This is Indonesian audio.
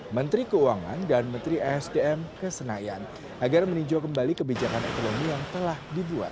menteri keuangan dan menteri sdm kesenaian agar meninjau kembali kebijakan ekonomi yang telah dibuat